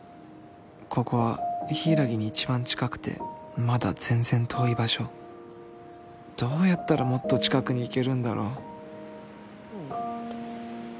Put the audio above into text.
ここは柊に一番近くてまだ全然遠い場所どうやったらもっと近くに行けるんだろう